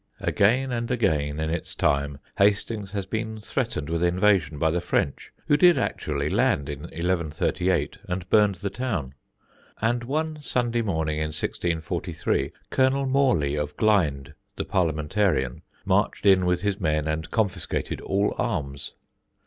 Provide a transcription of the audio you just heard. Again and again, in its time, Hastings has been threatened with invasion by the French, who did actually land in 1138 and burned the town. And one Sunday morning in 1643, Colonel Morley of Glynde, the Parliamentarian, marched in with his men and confiscated all arms.